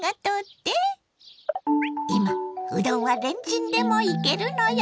今うどんはレンチンでもいけるのよ！